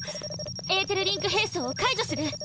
エーテルリンク兵装を解除する！